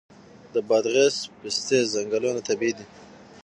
د بادغیس پستې ځنګلونه طبیعي دي؟